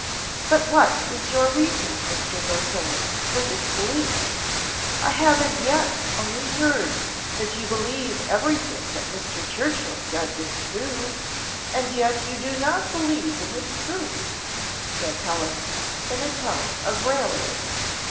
"But what is your reason, Mr. Beauclerc, for disbelief? I have as yet only heard that you believe every thing that Mr. Churchill said was true, and yet that you do not believe in his truth," said Helen, in a tone of raillery.